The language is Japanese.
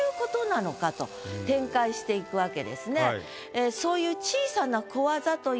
展開していくわけですね。